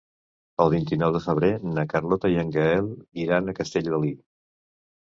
El vint-i-nou de febrer na Carlota i en Gaël iran a Castellgalí.